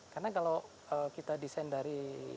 karena kalau kita desain dari